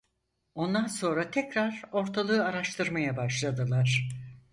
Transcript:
Ondan sonra tekrar ortalığı araştırmaya başladılar.